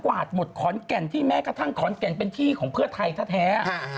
วาดหมดขอนแก่นที่แม้กระทั่งขอนแก่นเป็นที่ของเพื่อไทยแท้